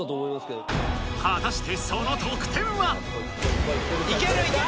果たしてその得点は⁉いけるいける！